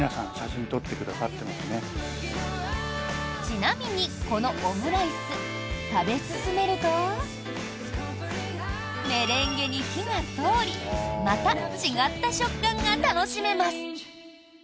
ちなみに、このオムライス食べ進めると。メレンゲに火が通りまた違った食感が楽しめます。